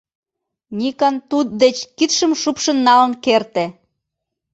— Никон туддеч кидшым шупшын налын керте.